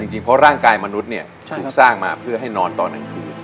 จริงเพราะร่างกายมนุษย์ถูกสร้างมาเพื่อให้นอนตอนกลางคืน